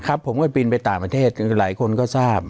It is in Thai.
ผมก็บินไปต่างประเทศหลายคนก็ทราบ